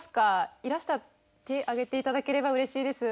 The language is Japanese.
いらしたら手上げて頂ければうれしいです。